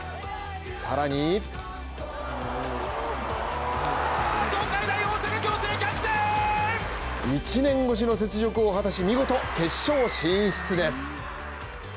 さらに１年越しの雪辱を果たし見事決勝進出です。